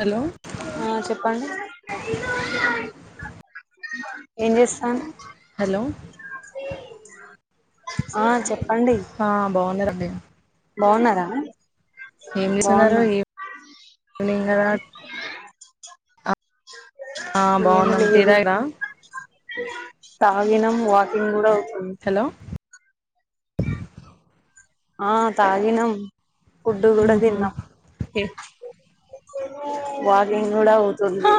Hello ఆ చెప్పు చెప్పండి ఏం చేస్తారు హలో ఆ చెప్పండి ఆ [inaudible] బాగున్నారా ఏం చేస్తున్నారు బాగున్నా ఇవినింగ్ కదా అ ఏం బాగున్నాం టీ లేదు తాగిరా తాగినం వాకింగ్ కూడ హలో ఆ తాగినం ఫుడ్ కూడా హు ఎ మార్నింగ్. కూడా హా అవుతుంది.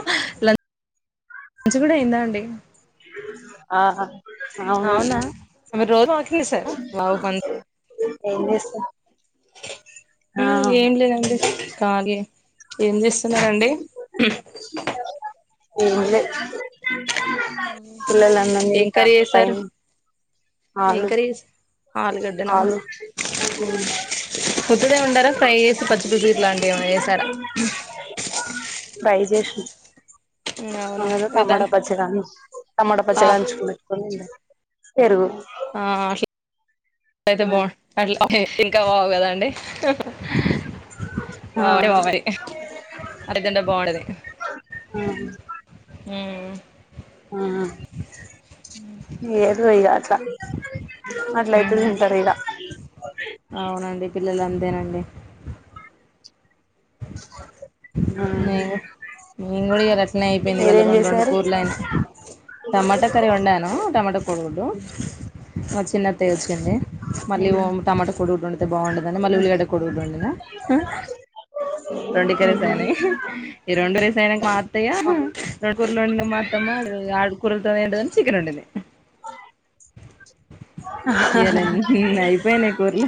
లంచ్ కూడా అయిందా అండి ఆహా అవునా మీరు రోజు వాకింగ్ చూసారా హ ఏంచేస్తు ఏం లేదండి కాలి ఏం చేస్తున్నారండి ఎం లేదు పిల్లలు అన్నం ఏం కర్రీ తిట్టారు చేసారు పైనే ఏం ఆలు, కర్రీ చేసా ఆలుగడ్డనా ఆలు ఉమ్, మొత్తదే ఉండారా ఫ్రై చేసి పచ్చి పసుకిట్లాంటివి ఏమైనా చేసారా బైజేష్ణ అవునా అద ఇగ టమాటా దాని పచ్చడా టమాటా ఆ పచ్చడా అంచుకు పెట్టుకోనిడి పెరుగు ఆ అదేదో ఆ బావుండు ఇంకా బాగు కదండి ఆ ఆ బావంటే బావది అట్లా తింటే బాగుంటది హమ్ ఆ ఏదో ఇలా మట్లాైతుది ఉమ్ తింటర్ ఇగ అవునండి అంతేనండి ఆ మ మేంగ కూడా ఇరట్నే అయిపోయింది ఇవాళ్ళ, మీరేం రెండు రెండు చేసారు కూరలు అయినా టమాటా కర్రీ వండాను, టమాటా కోడిగుడ్డు మా చిన్నతయ్య వచ్చింది మళ్ళీ అవునా టమాటా కోడిగుడ్డు ఉండిన బాగుండదని మళ్ళీ ఉల్లిగడ్డ కోడిగుడ్డు ఉండినా రెండి కర్రీస్ అయినాయ్, ఈ రెండు రసయినా మా అత్తయ్య రెండు కూరలుం మాత్రమ్మా అ ఆ కూరలతోనే ఏండని చికెన్ వండింది ఇలా అయిపోయానాయి కూరలు,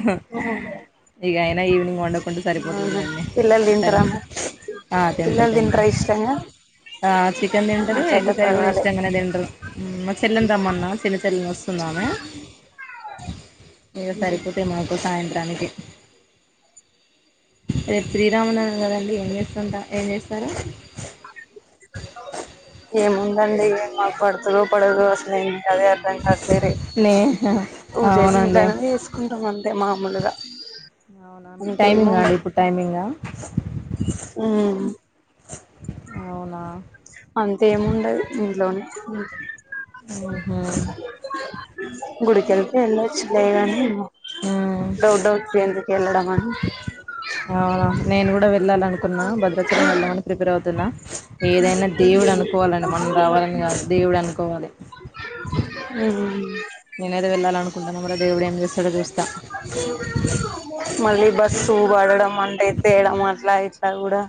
ఇక అయినా ఈవినింగ్ వండకుండా సరిపోతుంది లెండి పిల్లలు సర తింటారా మరి తింత పిల్లలు తింత తింటారా ఇష్టంగా ఆ చికెన్ తింతారు ఎగ్ అట్లయితే కర్రీ కూడా పర్వాలే ఇస్తంగనే తింటరు తెల్లందమ్మ అన్న చిన్న తెల్లం వ సున్నామే ఇక సరిపోతే మకో సాయంతం అనికి రే శ్రీరామనగర్ అండి ఎం అంతా ఏం చేస్తారో ఏముందండి మాకు పడుతదో పడదో అసలిది అదే అర్థం కాట్లేదే నే పూజైతే అవునండి ఇంట్లోనే వేసుకుంటాం అంటే మా ముందుగా అవునా మీకు టైమింగా అండి ఇప్పుడు టైమింగా ఆ అవునా అంతేముండదు ఇంట్లోనే ఉహూ గుడికెళ్తే ఎల్లోచే లేగాని ఊ దొడ్డొచ్చె ఎండుకు ఎల్లడమని అవునా నేను కూడా వెళ్ళాలనుకున్నా భద్రాచలం వెళ్దామని ప్రిపేర్ అవుతున్నా ఏదైనా దేవుడు అనుకోవాలండి మనం రావాలని కాదు దేవుడు అనుకోవాలి నేను ఏదో వెళ్ళాలనుకుంటాన కూడా దేవుడు ఏం చేస్తాడో చూస్తా మళ్ళీ బస్సు పడడం అంటే ఎత్తేయడం అట్లా ఇట్లా కూడా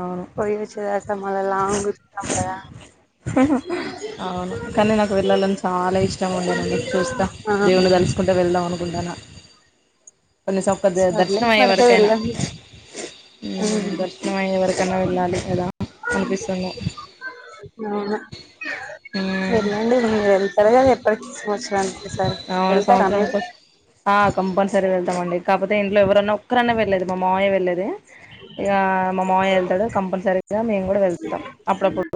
అవును పోయొచ్చేదాకా మల్ల లాంగ్ దూరంగదా అవును కానీ నాకు వెళ్ళాలని చాలా ఇష్టం ఉండేనండి చూస్తా ఆ దేవుని తలుసుకుంట వెళ్దాం అను కుంటాన్నా కొన్ని సక్క సర్లే దర్శనం పడితే అయ్యేవరకైనా వెళ్ళండి అవును దర్శనం అయ్యేవరకైనా వెళ్ళాలి కదా అనిపిస్తున్నా అవునా వెళ్ళండి మీరు వెళ్తరు కదా ఎప్పటికి ఒకసారి అవును వెళ్తారా మీరు సంవత్సరానికో ఆ కంపల్సరీ వెళ్తామండి కాపోతే ఇంట్లో ఎవరైన్నా ఒక్కరన్నా వెళ్లేది మా మావయ్య వెళ్లేది ఇగ మా మావయ్య వెళ్తాడు కంపల్సరీగా మేము కూడా వెళ్తాం అప్పుడప్పుడు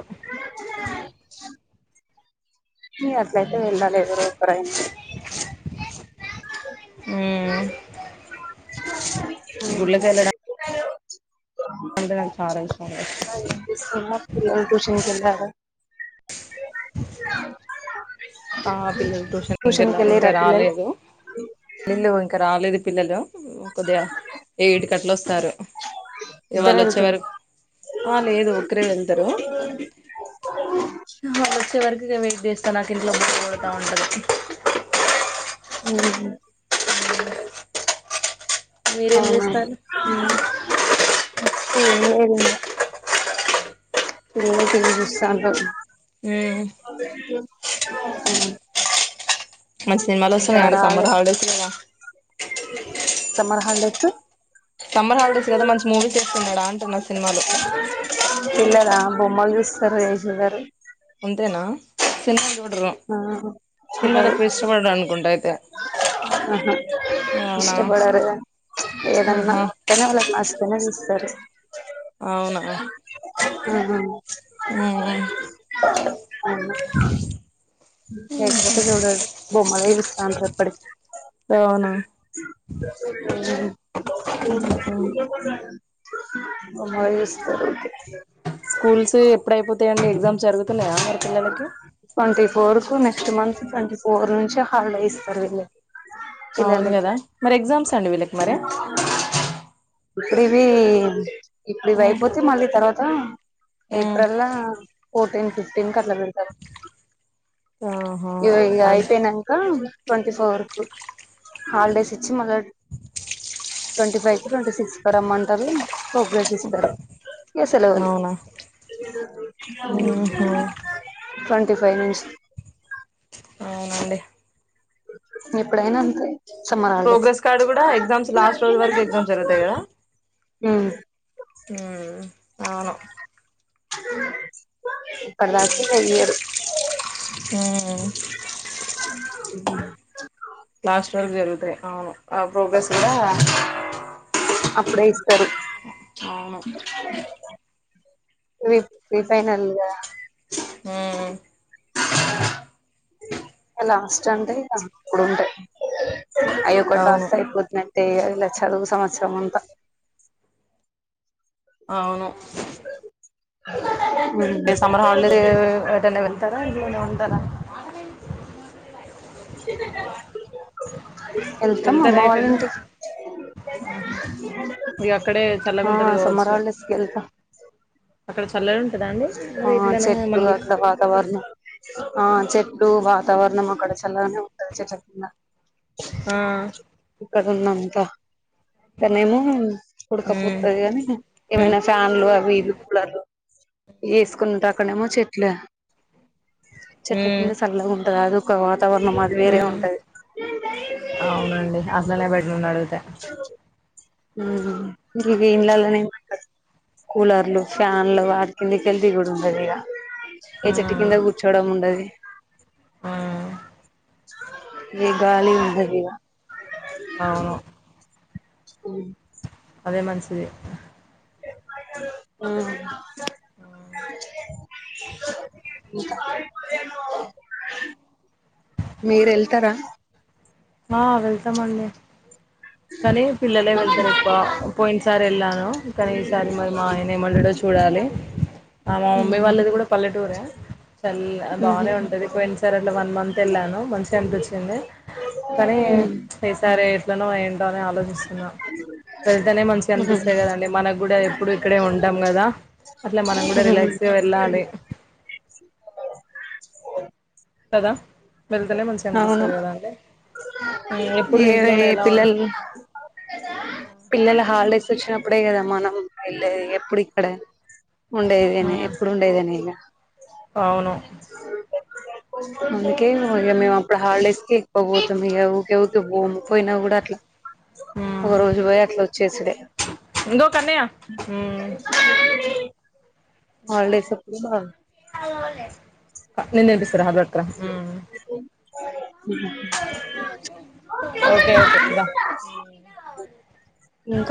మీ అట్లయితే వెళ్ళాలి ఎవరో ఒక్కరైనా ఉమ్ [unintelligible] అందరం సారె [unintelligible] ఈ సమ్మర్ పిల్లలు ట్యూషన్ కి వెళ్ళారా ఆ పిల్లలు ట్యూషన్ కి కెల్లారు వెళ్ళిరా ఇంకా పిల్లలు రాలేదు వీళ్ళు ఇంకా రాలేదు పిల్లలు కొద్దిగా ఎయిట్ కట్లొస్తారు ఇవాళ ఇద్దరు వచ్చే వరకు ఆ లేదు ఒక్కరే వెళ్తరు వాళ్లు వచ్చే వరకు ఇగ వేస్తన లబ్ [unintelligible] కొడతా ఉంటది [unintelligible] మీరేం అవునా చేస్తారు ఏం లేదింగ ఫుల్ గా టి వి చూస్తా ఉంటాం మ్మ్ మంచి సినిమాలు ఇంకా వొస్తున్నాయాండి రాలే సమ్మర్ హాలిడేస్ గద సమ్మర్ హాలిడేస్ కి సమ్మర్ హాలిడేస్ కదా మంచి మూవీస్ ఏస్తున్నాడా అంటున్నా సినిమాలు పిల్లలా బొమ్మలు చూస్తారు [unintelligible] ఉంటేనా త [unintelligible] ఆహా అనుకుంటా అయితే అవునా ఇష్టపడరు ఏదన్నా ఆహా తనవాళ్ళకు నచ్చితేనే తీసు సరే అవునా ఆహా హ్మ్ అవును లేకపోతే చూడాడు బొమ్మాల విస్తా అని చెప్పాడు అవునా హ్మ్ ఉహు. మా మావయ్య ఇస్తారైతే స్కూల్స్ ఎప్పుడయిపోతాయండి ఎగ్జామ్స్ జరుగు ట్వంటీ ఫోర్ కు నెక్స్ట్ మంత్ ట్వంటీ ఫోర్ నుంచి హాలిడే ఇస్తారు వీళ్ళకి అవును పిల్లలకి గదా మరి ఎగ్జామ్స్ అండి వీళ్ళకి మరి [unintelligible] ఇప్పుడు ఇవి ఉమ్ అయిపోతే మళ్ళీ తర్వాత ఆ ఉమ్ ఏప్రిల్లా ఫోటీన్త్ ఎందుకట్ల పెడతరు ఆహా ఇయో ఇయి అండ్ అయిపోయినాక ట్వంటీ ఫోర్ కు హాలిడేస్ ఇచ్చి మళ్ళా ట్వంటీ ఫైవ్ కో ట్వంటీ సిక్స్ కో రమ్మంటరు ప్రోగ్రాస్ ఇస్తరు ఇగ సెలవులు ఊహూ ట్వంటీ ఫైవ్ నుంచి త అవునండి ఇప్పుడైనా అంతే సమ్మర్ హాలిడేస్ ప్రోగ్రెస్ కార్డు కూడా ఎగ్జామ్స్ లాస్ట్ రోజు వరకు ఎగ్జామ్స్ హ్మ్ హ్మ్ అవును సి [unintelligible] అయ్యారు హ్మ్ హ్మ్ క్లాస్ వర్కు జరుగుతాయి అవును ఆ ప్రోగ్రెస్ కూడా అప్పుడే ఇస్తారు అవును ప్రీ ఫైనల్ హ లాస్ట్ అంటే ఆప్పుడుంటాయి అయ్య ఒకటి అవును రాస్తే అయిపోతున్నాయి అ అల చదువు సంవత్సరముంతా అవును అ సమ్మర్ హాలిడే ఏటనే వెళ్తారా ఇంట్లోనే ఉంటారా వెళ్తాం అమ్మ వెళ్తారా వాళ్ళ ఎటైనా ఇంటికి ఇక అక్కడే చల్లగా ఆ ఉంటది సమ్మర్ కావచ్చు హాలిడేస్ కి వెళ్తాం అక్కడ చల్లగా ఉంటదా అండి మరి ఆ ఇట్లానే చెట్టు మనలే అట్లా వాతావరణం ఆ చెట్లు వాతావరణం అక్కడ చల్లగానే ఉంటంది చెట్ల కింద ఆ న్నంత కానీనేమో ఉమ్ ఉడకపోతుది కానీ ఉమ్ ఏమైనా ఫ్యాన్లు అవి ఇవి కూలర్లు వేసుకునింట అక్కడ ఏమో చెట్లే చెట్ల ఉమ్ కింద చల్లగా ఉంటది అది ఒక వాతావరణం అది వేరే ఉమ్ ఉంటది అవునండి అట్లనే బెటర్ నడిగితే ఇక ఇంళ్లలోనే కూలర్లు ఫ్యాన్లు వాటి కందికెళ్ది కూడా ఉంటది ఇక ఏ చెట్టు కింద కూర్చోడం ఉండది ఆ ఏ గాలి ఉండది ఇగ అవును స్కూల్ అదే మంచిది ఆ మీరు వెళ్తారా ఆ వెళ్తామండి కానీ పిల్లలే వెళ్తారు ఎక్కువ పోయిన సార్ వెళ్ళాను కానీ ఈసారి మరి మా ఆయన ఏమంటాడో చూడాలి ఆ మా ఉమ్ మమ్మీ వాళ్ళది కూడా పల్లెటూరే చల్ ఉమ్ బానే ఉమ్ ఉంటది పోయిన సార్ అట్లా వన్ మంత్ వెళ్ళాను మంచిగా అనిపిచ్చింది పైసా రే ఎట్లనో ఏమో ఆలోచిస్తున్నా వెళ్తేనే మంచిగా అనిపిస్తాయి కదండి మనకు కూడా ఎప్పుడు ఇక్కడే ఉంటాం కదా అట్లా మనం కూడా ఉమ్ రిలాక్స్ గా వెళ్ళాలి కదా వెళ్తేనే మంచిగా అవును అనిపిస్తుంది కదా అంటే ఎప్పుడు ఏ ఇంట్లోనే ఏ ఎలా ఉంటా పిల్లలు వచినప్పుడే కదా మనం ఎల్లేది ఎప్పుడిక్కడే ఉండేదనే మ్మ్ ఎప్పుడు ఉండేదనే ఇలా అవును అందుకే మేమాప్పుడు హాలిడేస్ ఎక్కువ పోతాం ఇగ ఊకె ఉ పోము పోయినా కూడా అట్లా ఒక మ్మ్ రోజు పోయి అట్లా వచ్చేసిడే ఇంగో కన్నయ్య అవు హాలిడేస్ [unintelligible] [unintelligible] నిన్నేపిస్తారా ఓకే ఓకే ద అ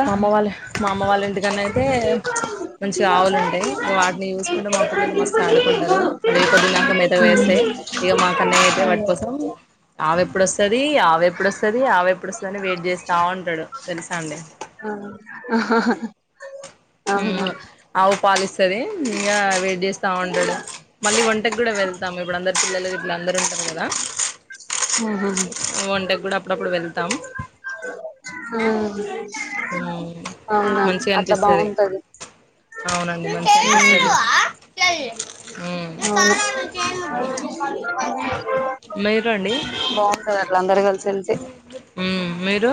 మా అమ్మ వాళ్ళు మా అమ్మ వాళ్ళ ఇంటికన్నా అయితే మంచి ఆవులు ఉంటాయి ఇక వాటిని చూసుకుంటే మా పిల్లలు మస్తు ఆడుకుంటారు అవి పొద్దుందక మిద వేస్తే ఇక మా కన్నయా అయితే వాటి కోసం ఆవి ఎప్పుడొస్త ది ఆవు ఎప్పుడు వస్తుంది ఆవు ఎప్పుడు వస్తది అని వెయిట్ చేస్తా ఉంటాడు తెలుసా అండి [unintelligible] అవు పాలిస ఇంకా వెయిట్ చేస్తా ఉంటాడు మళ్ళీ వంటకి కూడా వెళ్తాము ఇప్పుడు అందరు పిల్లలు ఇట్లా అందరు ఉంటారు కదా ఉహు వంటకి కూడా అప్పుడప్పుడు వెళ్తాం ఆ మ్మ్ అవునా మంచిగా అట్లా అనిపిస్తది బాగుంటది అవునండి మంచి ఉమ్ [unintelligible] అవును మీరు అండి బాగుంటది అట్లా అందరు కలిసి వెళ్తే మ్మ్ మీరు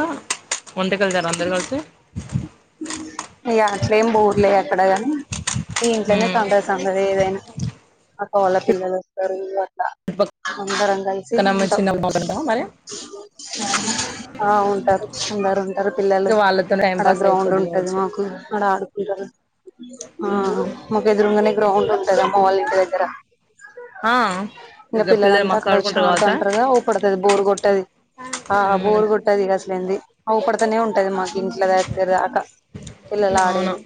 ఉండగల్తర అందరు కలిసి ఉ ఇ అట్లేం బోర్లే ఎక్కడగాని ఈ ఇంట్లోనే మ్మ్ [unintelligible] ఏదైనా అక్క వాళ్ళ పిల్లలు వస్తారు ఇగ అందరం కలిసి పక్కన ఉంటాం చిన్న బాగుంటా మరి ఆ ఉంటాం అందరు ఉంటరు పిల్లలు ఇక వాళ్ళతో టైం అడ పాస్ గ్రౌండ్ అయిపోద్ది ఉంటది మాకు కావచ్చు అక్కడ ఆడుకుంటారు ఆ మాకు ఎదురుంగనే గ్రౌండ్ ఉంటది ఆ అళ్ ఇ ఇతర ఆ ఇగ ఇక పిల్లలు పిల్లలంతా మస్తు అక్కడ వచ్చి ఆడుకుంటారు కావచ్చా ఆడుతంటారుగా అవుపడుతది బోరు కొట్టది ఆ ఉమ్ బోరు కొట్టది అసలేంది అవుపడుతనే ఉంటది మాకు ఇంట్లో ఇక దాక అవును పిల్లలాడేది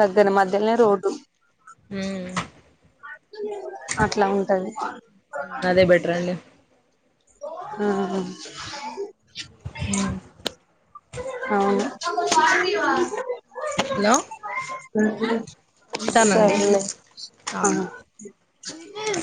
దగ్గర మధ్య త్తనే రోడ్డు హ్మ్ అట్లా ఉంటది అదే బెటర్ అండి ఆ అవును హలో ఉంటానండి సర్లే ఆ ఆ